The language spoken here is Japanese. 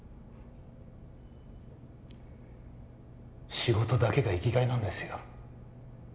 仕事だけが生きがいなんですよ